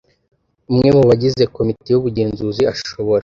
Umwe mu bagize Komite y Ubugenzuzi ashobora